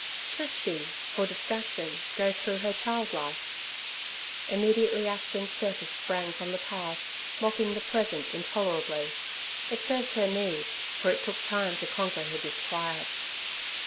Should she for distraction go through her child life? Immediately Ashton's circus sprang from the past, mocking the present intolerably. It served her need, for it took time to conquer her disquiet.